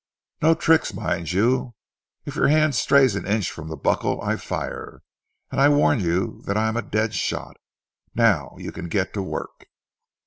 No tricks, mind you. If your hand strays an inch from the buckle, I fire, and I warn you that I am a dead shot.... Now you can get to work."